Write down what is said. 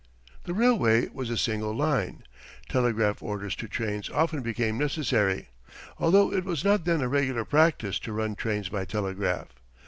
The railway was a single line. Telegraph orders to trains often became necessary, although it was not then a regular practice to run trains by telegraph.